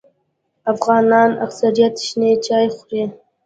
افغانان اکثریت شنې چای خوري